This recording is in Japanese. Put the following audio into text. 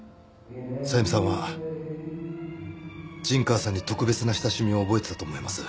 さゆみさんは陣川さんに特別な親しみを覚えていたと思います。